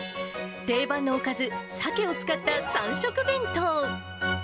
定番のおかず、さけを使った三食弁当。